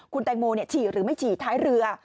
คุณแตงโมฉี่หรือไม่ฉี่ท้ายเรือ